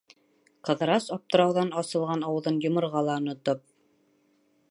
Ҡыҙырас, аптырауҙан асылған ауыҙын йоморға ла онотоп: